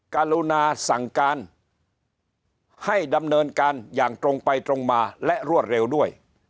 กรุณาสั่งการให้ดำเนินการอย่างตรงไปตรงมาและรวดเร็วด้วย